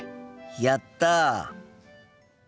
やった！